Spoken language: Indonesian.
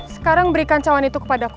sekarang berikan cawan itu kepadaku